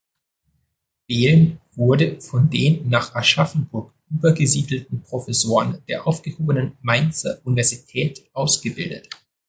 Behlen wurde von den nach Aschaffenburg übergesiedelten Professoren der aufgehobenen Mainzer Universität ausgebildet.